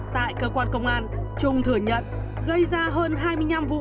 tại cơ quan công an trung thừa nhận gây ra hơn hai mươi năm vụ